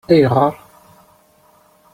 AyƔeṛ?